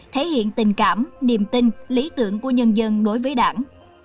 thể hiện tình cảm niềm tin lý tưởng của nhân dân đối với đảng